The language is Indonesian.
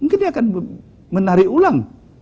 mungkin dia akan menarik ulang